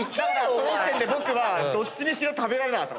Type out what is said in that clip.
その時点で僕はどっちにしろ食べられなかった。